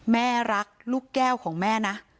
แม่รักลูกแก้วของแม่นะ